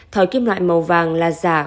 thỏi kim loại màu vàng là giả